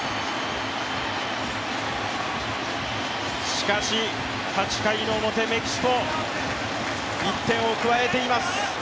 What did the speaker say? しかし８回表メキシコ、１点を加えています。